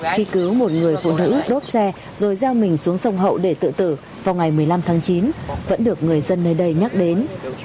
khi cứu một người phụ nữ đốt xe rồi gieo mình xuống sông hậu để tự tử vào ngày một mươi năm tháng chín vẫn được người dân nơi đây nhắc đến